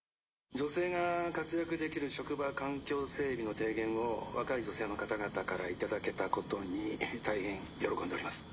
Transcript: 「女性が活躍できる職場環境整備の提言を若い女性の方々から頂けたことに大変喜んでおります」。